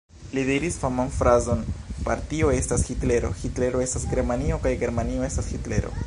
Li diris faman frazon: "Partio estas Hitlero, Hitlero estas Germanio kaj Germanio estas Hitlero!".